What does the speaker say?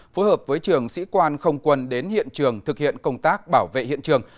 phối hợp với trường sĩ quan không quân đến hiện trường thực hiện công tác bảo vệ hiện trường